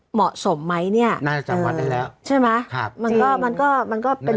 เหมาะสมไหมเนี่ยน่าจะจำวัดได้แล้วใช่ไหมครับมันก็มันก็เป็น